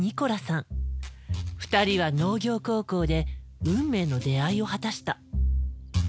２人は農業高校で運命の出会いを果たした。